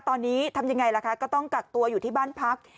ตอนนี้ทำยังไงล่ะคะก็ต้องกักตัวอยู่ที่บ้านพัก